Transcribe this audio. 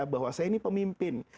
bahwa saya ini pemimpin